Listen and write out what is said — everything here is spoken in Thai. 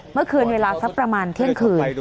เมื่อคืนเวลาสักประมาณเที่ยงคืน